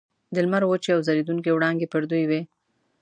د لمر وچې او ځلیدونکي وړانګې پر دوی وې.